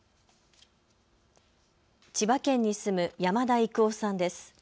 千葉県に住む山田育生さんです。